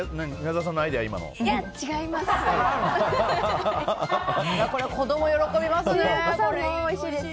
違います。